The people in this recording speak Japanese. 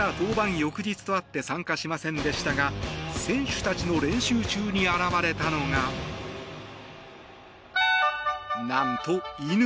翌日とあって参加しませんでしたが選手たちの練習中に現れたのが何と、犬。